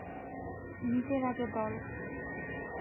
নিজের আগে দল!